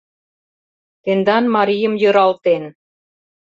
Тендан марийым йӧралтен.